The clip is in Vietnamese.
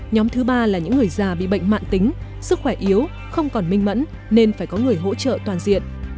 nhóm thứ ba là những người già bị bệnh mạng tính sức khỏe yếu không còn minh mẫn nên phải có người hỗ trợ toàn diện